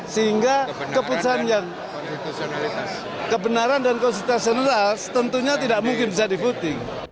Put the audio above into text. sehingga kebenaran dan konstitusionalitas tentunya tidak mungkin bisa dipotong